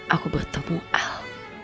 aku bertemu el